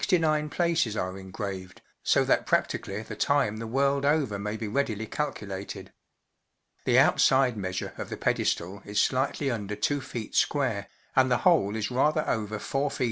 3 i 3 CH012M C^tle names of sixty nine places are engraved, so that practically the time the world over may be readily calculated The outside measure of the pedestal is slightly under 2ft. square, and the whole is rather over 4ft.